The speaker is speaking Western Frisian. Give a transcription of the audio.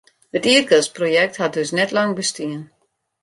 It ierdgasprojekt hat dus net lang bestien.